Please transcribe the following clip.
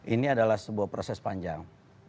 ini adalah sebuah proses panjang